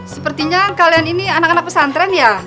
sepertinya kalian ini anak anak pesantren ya